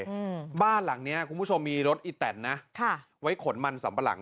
อืมบ้านหลังเนี้ยคุณผู้ชมมีรถอีแตนนะค่ะไว้ขนมันสัมปะหลัง